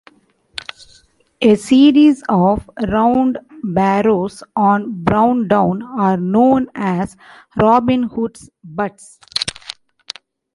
A series of round barrows on Brown Down are known as Robin Hood's Butts.